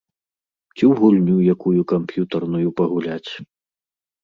Ці ў гульню якую камп'ютарную пагуляць.